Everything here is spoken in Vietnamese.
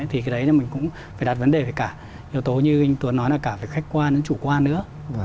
thì cái đấy là mình cũng phải đặt vấn đề về cả yếu tố như anh tuấn nói là cả về khách quan đến chủ quan nữa